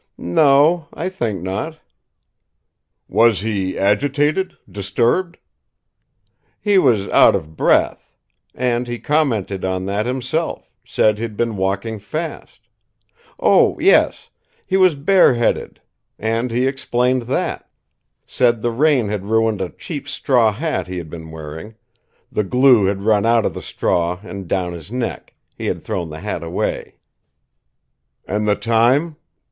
"No; I think not." "Was he agitated, disturbed?" "He was out of breath. And he commented on that himself, said he'd been walking fast. Oh, yes! He was bareheaded; and he explained that said the rain had ruined a cheap straw hat he had been wearing; the glue had run out of the straw and down his neck, he had thrown the hat away." "And the time?